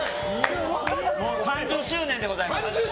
３０周年でございます。